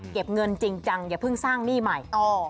เก็บเงินจริงจังอย่าเพิ่งสร้างหนี้ใหม่